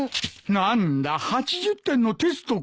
何だ８０点のテストか。